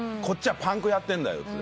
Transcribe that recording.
こっちはパンクやってんだよ」